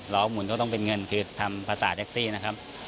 หมุนก็ต้องเป็นเงินคือทำภาษาแท็กซี่นะครับ